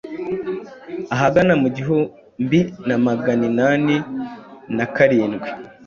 ahagana mu gihumbi maganinani na karindwi